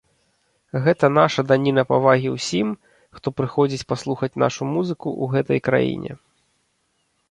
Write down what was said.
Гэта наша даніна павагі ўсім, хто прыходзіць паслухаць нашу музыку ў гэтай краіне.